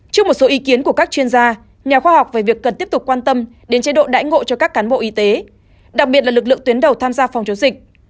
trước một số ý kiến của các chuyên gia nhà khoa học về việc cần tiếp tục quan tâm đến chế độ đãi ngộ cho các cán bộ y tế đặc biệt là lực lượng tuyến đầu tham gia phòng chống dịch